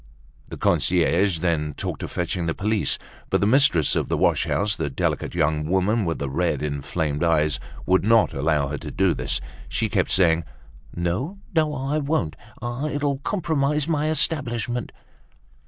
The concierge then talked of fetching the police; but the mistress of the wash house, the delicate young woman with the red, inflamed eyes, would not allow her to do this. She kept saying: "No, no, I won't; it'll compromise my establishment."